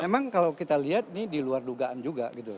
memang kalau kita lihat ini di luar dugaan juga gitu